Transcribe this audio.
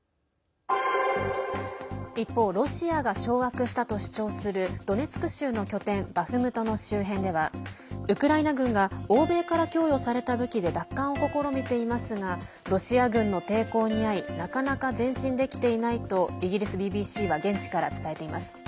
一方、ロシアが掌握したと主張するドネツク州の拠点バフムトの周辺ではウクライナ軍が欧米から供与された武器で奪還を試みていますがロシア軍の抵抗にあいなかなか前進できていないとイギリスＢＢＣは現地から伝えています。